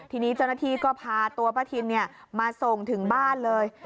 ทีนี้เจ้าหน้าที่ก็พาตัวป้าทินมาส่งถึงบ้านเลย